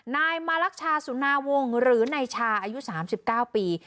นายมารักชาสุนาวงศ์หรือในชาอายุสามสิบเก้าปี